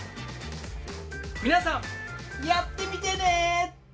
皆さんやってみてね！